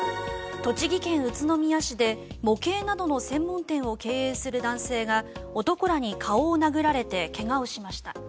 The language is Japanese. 栃木県宇都宮市で模型などの専門店を経営する男性が男らに顔を殴られて怪我をしました。